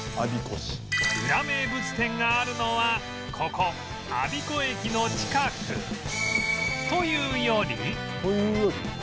ウラ名物店があるのはここ我孫子駅の近くというより？